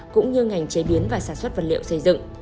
cũng như ngành chế biến và sản xuất vật liệu xây dựng